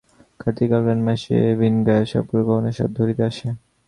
কার্তিক আঘ্রান মাসে ভিনগাঁয়ের সাপুড়ে কখনো সাপ ধরিতে আসে।